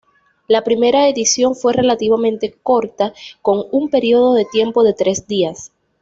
La primera edición fue relativamente corta con un periodo de tiempo de tres días.